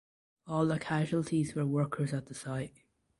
All the casualties were workers at the site.